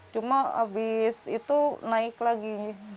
cuma habis itu naik lagi